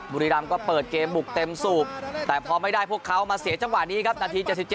บุรีรำก็เปิดเกมบุกเต็มสูบแต่พอไม่ได้พวกเขามาเสียจังหวะนี้ครับนาที๗๗